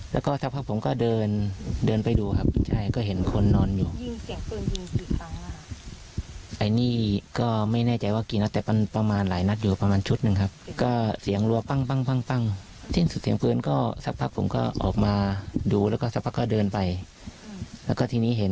แล้วก็ทีนี้เห็นคนล้มลงอยู่ครับก็เลยโทรแจ้งตำรวจ